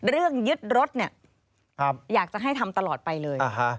ยึดรถเนี่ยอยากจะให้ทำตลอดไปเลย